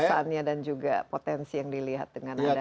rasaannya dan juga potensi yang dilihat dengan adanya ikm